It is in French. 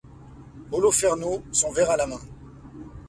Oloferno, son verre à la main.